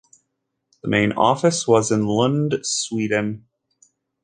The main office was in Lund, Sweden.